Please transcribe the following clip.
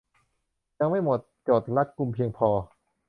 ยังไม่หมดจดรัดกุมเพียงพอ